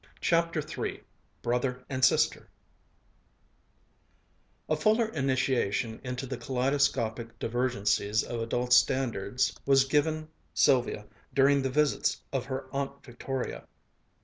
CHAPTER III BROTHER AND SISTER A fuller initiation into the kaleidoscopic divergencies of adult standards was given Sylvia during the visits of her Aunt Victoria.